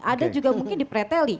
ada juga mungkin di preteli